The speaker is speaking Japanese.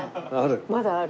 まだある。